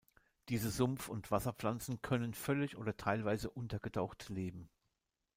Diese Sumpf- und Wasserpflanzen können völlig oder teilweise untergetaucht leben.